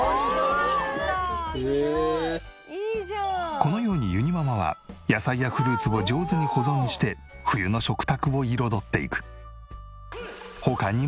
このようにゆにママは野菜やフルーツを上手に保存して冬の食卓を彩っていく。